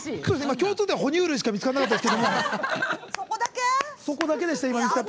共通点、哺乳類しか見つからなかったですけど。